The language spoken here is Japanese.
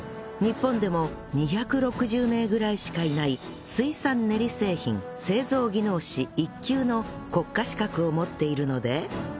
日本でも２６０名ぐらいしかいない水産練り製品製造技能士１級の国家資格を持っているので